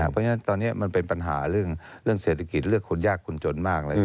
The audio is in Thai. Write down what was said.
เพราะฉะนั้นตอนนี้มันเป็นปัญหาเรื่องเศรษฐกิจเลือกคนยากคนจนมากเลย